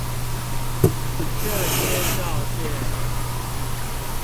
這些照片